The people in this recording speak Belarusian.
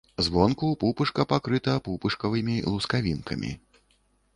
Звонку пупышка пакрыта пупышкавымі лускавінкамі.